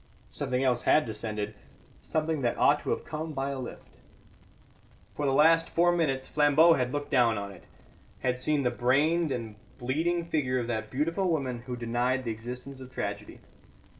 Something else had descended; something that ought to have come by a lift. For the last four minutes Flambeau had looked down on it; had seen the brained and bleeding figure of that beautiful woman who denied the existence of tragedy.